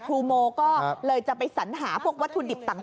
ครูโมก็เลยจะไปสัญหาพวกวัตถุดิบต่าง